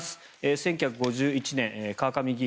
１９５１年、川上議員。